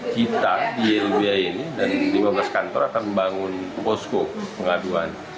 kita di ylbhia ini dan lima belas kantor akan membangun posko pengaduan